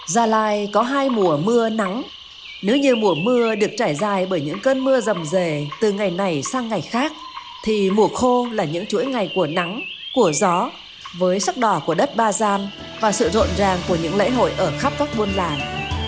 gia lai có hai mùa mưa nắng nếu như mùa mưa được trải dài bởi những cơn mưa rầm dề từ ngày này sang ngày khác thì mùa khô là những chuỗi ngày của nắng của gió với sắc đỏ của đất ba gian và sự rộn ràng của những lễ hội ở khắp các buôn làng